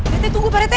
rete tunggu pak rete